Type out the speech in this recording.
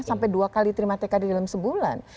sampai dua kali terima tkd dalam sebulan